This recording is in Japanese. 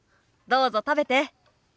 どうぞ食べて。